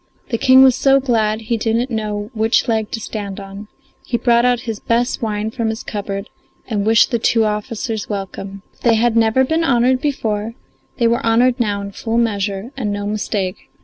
The King was so glad he didn't know which leg to stand on; he brought out his best wine from his cupboard and wished the two officers welcome. If they had never been honoured before they were honoured now in full measure, and no mistake.